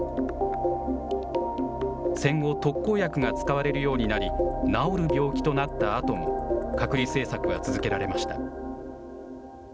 戦後、特効薬が使われるようになり、治る病気となったあとも、隔離政策は続けられました。